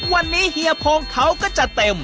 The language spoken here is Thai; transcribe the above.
วันนี้เฮียพงเขาก็จะเต็ม